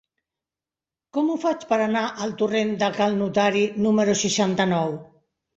Com ho faig per anar al torrent de Cal Notari número seixanta-nou?